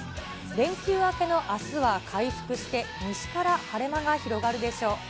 連休明けのあすは回復して西から晴れ間が広がるでしょう。